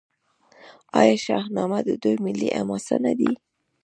آیا شاهنامه د دوی ملي حماسه نه ده؟